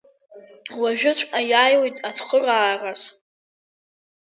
Уажәыҵәҟьа иаауеит ацхыраараз.